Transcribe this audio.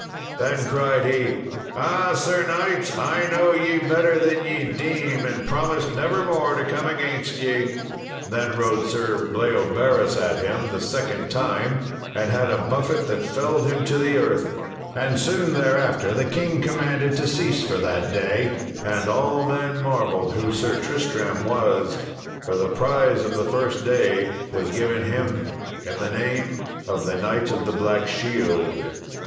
Then cried he, "Ah! Sir knight, I know ye better than ye deem, and promise nevermore to come against ye." Then rode Sir Bleoberis at him the second time, and had a buffet that felled him to the earth. And soon thereafter the king commanded to cease for that day, and all men marvelled who Sir Tristram was, for the prize of the first day was given him in the name of the Knight of the Black Shield.